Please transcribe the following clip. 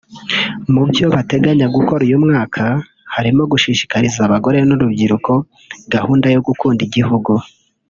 Mu byo bateganya gukora uyu mwaka harimo gushishikariza abagore n’urubyiruko gahunda yo gukunda igihugu